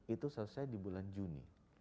itu selesai di bulan juni